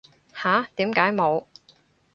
吓？點解冇